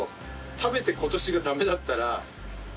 食べて今年が駄目だったら。